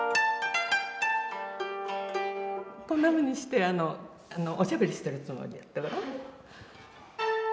こんなふうにしておしゃべりしてるつもりでやってごらん。